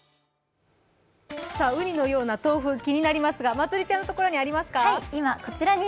うにのような豆腐、気になりますが、まつりちゃんのところにありますか。